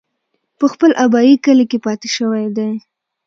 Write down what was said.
پۀ خپل ابائي کلي کښې پاتې شوے دے ۔